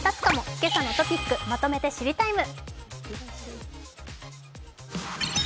「けさのトピックまとめて知りＴＩＭＥ，」。